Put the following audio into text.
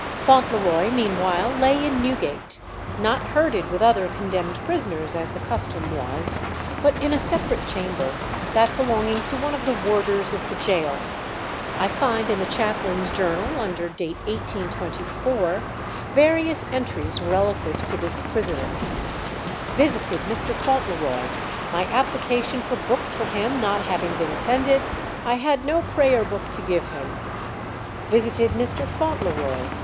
Fauntleroy meanwhile lay in Newgate, not herded with other condemned prisoners, as the custom was, but in a separate chamber, that belonging to one of the warders of the gaol. I find in the chaplain's journal, under date 1824, various entries relative to this prisoner. "Visited Mr. Fauntleroy. My application for books for him not having been attended, I had no prayer book to give him." "Visited Mr. Fauntleroy.